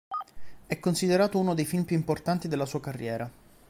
È considerato uno dei film più importanti della sua carriera.